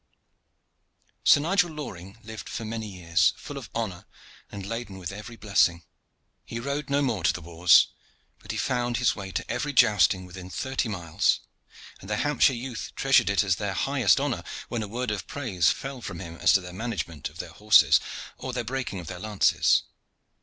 Sir Nigel Loring lived for many years, full of honor and laden with every blessing. He rode no more to the wars, but he found his way to every jousting within thirty miles; and the Hampshire youth treasured it as the highest honor when a word of praise fell from him as to their management of their horses, or their breaking of their lances.